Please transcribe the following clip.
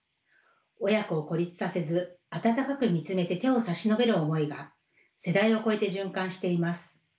親子を孤立させず温かく見つめて手を差し伸べる思いが世代を超えて循環しています。